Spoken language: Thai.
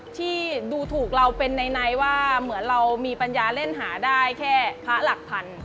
ที่ดูถูกเราเป็นในว่าเหมือนเรามีปัญญาเล่นหาได้แค่พระหลักพัน